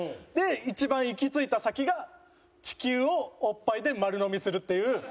で一番行き着いた先が地球をおっぱいで丸呑みするっていう。